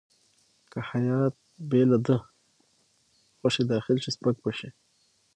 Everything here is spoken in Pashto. که هیات بې له ده خوښې داخل شي سپک به شي.